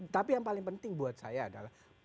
tapi yang paling penting buat saya adalah